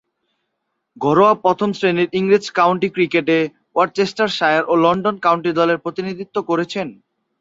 ঘরোয়া প্রথম-শ্রেণীর ইংরেজ কাউন্টি ক্রিকেটে ওরচেস্টারশায়ার ও লন্ডন কাউন্টি দলের প্রতিনিধিত্ব করেছেন।